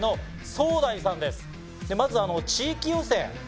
まず地域予選。